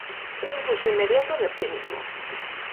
Un impulso inmediato de optimismo.